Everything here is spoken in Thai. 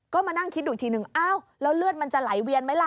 ก็มานั่งคิดดูอีกทีนึงอ้าวแล้วเลือดมันจะไหลเวียนไหมล่ะ